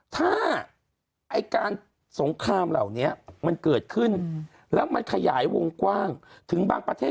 ถ้าไอ้การสงครามเหล่านี้มันเกิดขึ้นแล้วมันขยายวงกว้างถึงบางประเทศ